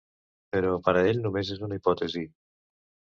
Però per a ell només és una hipòtesi.